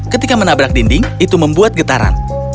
ketika menabrak dinding itu membuat getaran